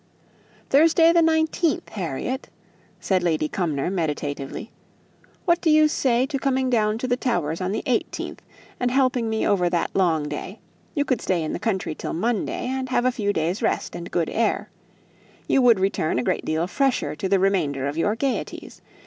"Thursday the 19th, Harriet," said Lady Cumnor, meditatively; "what do you say to coming down to the Towers on the 18th, and helping me over that long day. You could stay in the country till Monday, and have a few days' rest and good air; you would return a great deal fresher to the remainder of your gaieties.